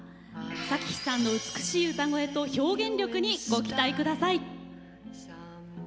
咲妃さんの美しい歌声と表現力にご期待ください。